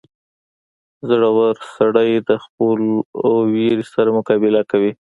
• زړور سړی د خپلو وېرې سره مقابله کوي.